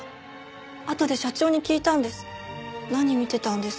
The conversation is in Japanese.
あとで社長に聞いたんです。